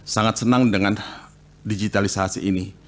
sangat senang dengan digitalisasi ini